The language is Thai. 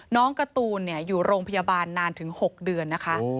การ์ตูนอยู่โรงพยาบาลนานถึง๖เดือนนะคะ